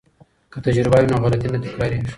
که تجربه وي نو غلطي نه تکراریږي.